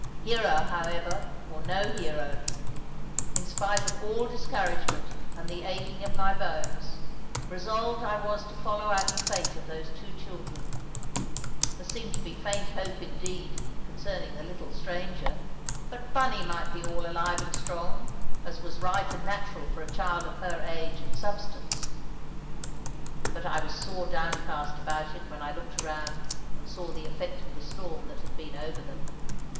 Hero, however, or no hero, in spite of all discouragement and the aching of my bones, resolved I was to follow out the fate of those two children. There seemed to be faint hope, indeed, concerning the little stranger; but Bunny might be all alive and strong, as was right and natural for a child of her age and substance. But I was sore downcast about it when I looked around and saw the effect of the storm that had been over them.